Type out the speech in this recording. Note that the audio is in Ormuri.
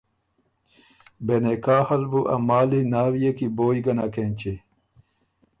بې نکاحه ال بُو ا مالی ناوئے کی بویٛ ګۀ نک اېنچی